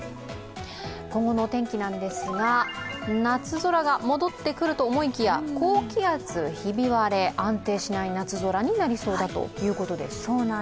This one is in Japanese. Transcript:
今後のお天気なんですが、夏空が戻ってくると思いきや高気圧ひび割れ安定しない夏空になりそうだということで。